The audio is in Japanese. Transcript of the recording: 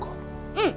うん。